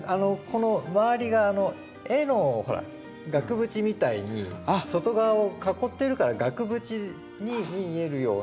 このまわりが絵のほら額縁みたいに外側を囲ってるから額縁に見えるよう。